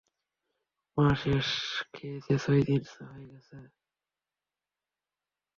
মা শেষ খেয়েছে ছয় দিন হয়ে গেছে।